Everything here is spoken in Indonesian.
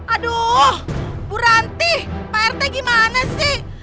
aduh bu ranti pak rt gimana sih